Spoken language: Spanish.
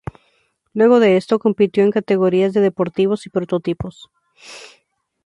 Luego de esto, compitió en categorías de deportivos y prototipos.